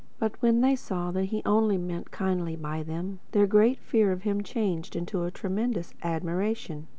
But when they saw that he only meant kindly by them, their great fear of him changed to a tremendous admiration.